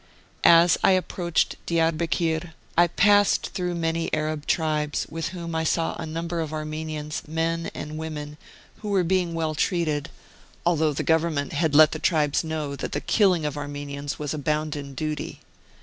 As I approached Diarbekir, I passed through many Arab tribes, with whom I saw a number of Armenians, men and women, who were being well treated, although the Government had let the tribes know that the killing of Armenians was a bounden duty.